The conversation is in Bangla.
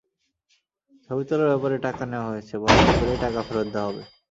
ছবি তোলার ব্যাপারে টাকা নেওয়া হয়েছে, বরাদ্দ পেলেই টাকা ফেরত দেওয়া হবে।